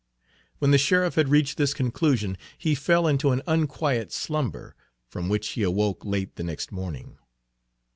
When the sheriff had reached this conclusion he fell into an unquiet slumber, from which he awoke late the next morning.